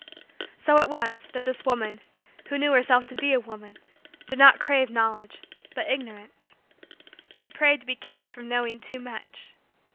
So it was that this woman, who knew herself to be a woman, did not crave Knowledge, but Ignorance. She prayed to be kept from knowing too much.